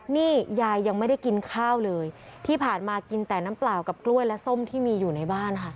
นี่ยายยังไม่ได้กินข้าวเลยที่ผ่านมากินแต่น้ำเปล่ากับกล้วยและส้มที่มีอยู่ในบ้านค่ะ